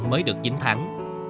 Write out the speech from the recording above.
mới được chín tháng